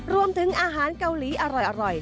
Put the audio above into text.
รวมถึงอาหารเกาหลีอร่อย